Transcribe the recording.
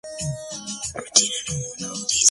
Es un plato muy sencillo que se solía tomar como cena.